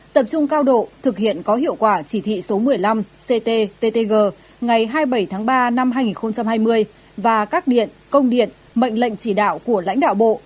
tập trung cao độ thực hiện có hiệu quả chỉ thị số một mươi năm cttg ngày hai mươi bảy tháng ba năm hai nghìn hai mươi và các điện công điện mệnh lệnh chỉ đạo của lãnh đạo bộ